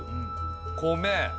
米！